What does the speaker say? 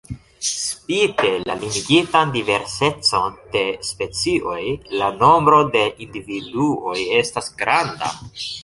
Spite la limigitan diversecon de specioj, la nombro de individuoj estas granda.